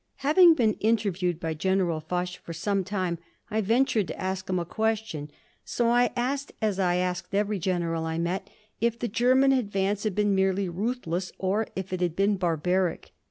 Having been interviewed by General Foch for some time, I ventured to ask him a question. So I asked, as I asked every general I met, if the German advance had been merely ruthless or if it had been barbaric.